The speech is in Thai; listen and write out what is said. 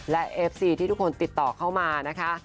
และเอฟซีที่ทุกคนติดต่อเข้ามานะคะ